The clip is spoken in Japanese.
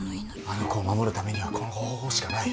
あの子を守るためにはこの方法しかない。